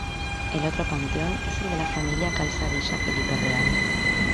El otro panteón es el de la familia Calzadilla Felipe Real.